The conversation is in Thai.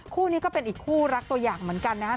คู่นี้ก็เป็นอีกคู่รักตัวอย่างเหมือนกันนะครับ